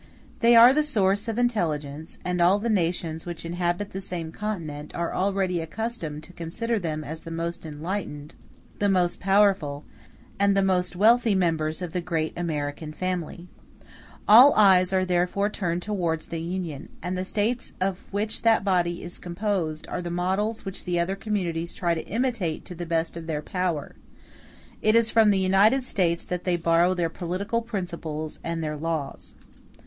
They are the source of intelligence, and all the nations which inhabit the same continent are already accustomed to consider them as the most enlightened, the most powerful, and the most wealthy members of the great American family. All eyes are therefore turned towards the Union; and the States of which that body is composed are the models which the other communities try to imitate to the best of their power; it is from the United States that they borrow their political principles and their laws.